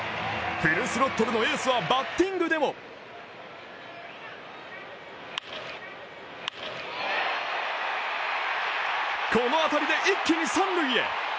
フルスロットルのエースはバッティングでもこの当たりで一気に三塁へ。